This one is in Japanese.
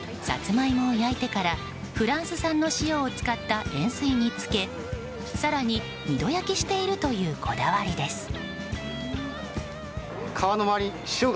サツマイモを焼いてからフランス産の塩を使った塩水に漬け更に、２度焼きしているというこだわりです。